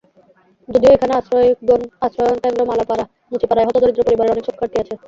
যদিও এখানে আশ্রয়ণ কেন্দ্র, মালোপাড়া, মুচিপাড়ায় হতদরিদ্র পরিবারের অনেক শিক্ষার্থী আছে।